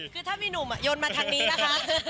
คือถ้ามีหนุ่มโยนมาทางนี้นะคะ